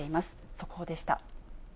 速報でした。